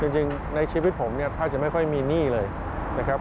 จริงในชีวิตผมเนี่ยแทบจะไม่ค่อยมีหนี้เลยนะครับ